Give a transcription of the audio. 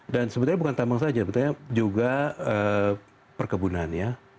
dan sebenarnya bukan tambang saja sebenarnya juga perkebunan ya